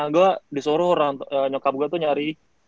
gue disuruh orang nyokap gue tuh nyari